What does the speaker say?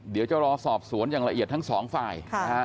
เดี๋ยวจะรอสอบสวนอย่างละเอียดทั้งสองฝ่าย